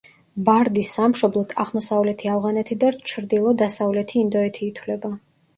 ბარდის სამშობლოდ აღმოსავლეთი ავღანეთი და ჩრდილო-დასავლეთი ინდოეთი ითვლება.